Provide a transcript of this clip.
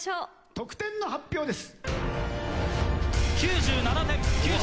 得点の発表です！